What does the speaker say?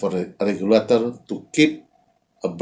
untuk regulator untuk menjaga